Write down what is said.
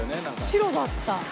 白だった。